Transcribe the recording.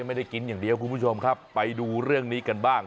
ไม่ได้กินอย่างเดียวคุณผู้ชมครับไปดูเรื่องนี้กันบ้าง